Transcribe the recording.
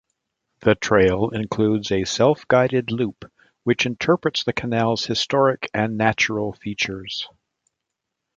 The trail includes a self-guided loop which interprets the Canal's historic and natural features.